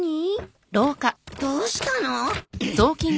どうしたの？